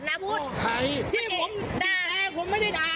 น้าพุทธพี่ผมดีแรกผมไม่ได้ด่า